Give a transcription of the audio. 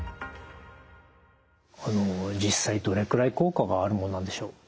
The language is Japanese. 実際どれくらい効果があるものなんでしょう？